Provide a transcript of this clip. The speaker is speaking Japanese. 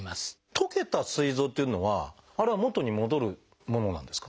溶けたすい臓っていうのはあれは元に戻るものなんですか？